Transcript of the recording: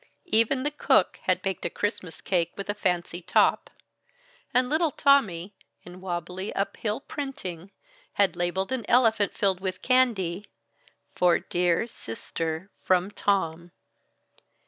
Even the cook had baked a Christmas cake with a fancy top. And little Tommy, in wobbly uphill printing, had labeled an elephant filled with candy, "FOR DERE CISTER FROM TOM."